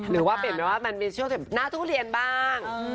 หรือว่าเปลี่ยนไปว่ามันมีช่วงหน้าทุเรียนบ้าง